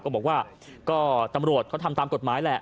ก็บอกว่าก็ตำรวจเขาทำตามกฎหมายแหละ